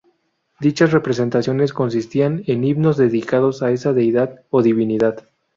Dichas representaciones consistían en himnos dedicados a esa deidad o divinidad.